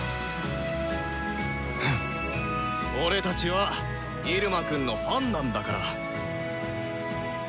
俺たちはイルマくんのファンなんだから！